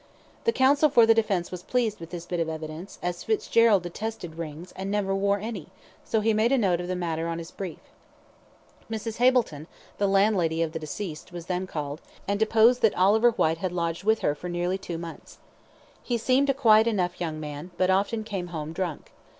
The counsel for the defence was pleased with this bit of evidence, as Fitzgerald detested rings, and never wore any; so he made a note of the matter on his brief. Mrs. Hableton, the landlady of the deceased, was then called, and deposed that Oliver Whyte had lodged with her for nearly two months. He seemed a quiet enough young man, but often came home drunk.